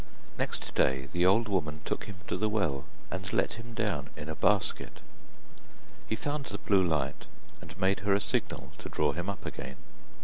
Next day the old woman took him to the well, and let him down in a basket. He found the blue light, and made her a signal to draw him up again.